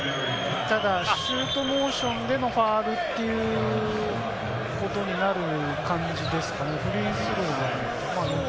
ただシュートモーションでのファウルということになる感じですかね、フリースローは。